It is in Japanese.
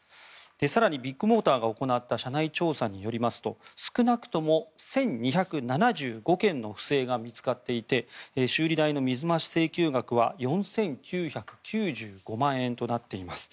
更にビッグモーターが行った社内調査によりますと少なくとも１２７５件の不正が見つかっていて修理代の水増し請求額は４９９５万円となっています。